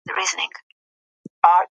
موږ باید د دواړو ژوندونو ځانګړتیاوې وپېژنو.